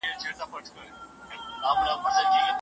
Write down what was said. تاسو باید په خپلو کارونو کي ډېر پام وکړئ.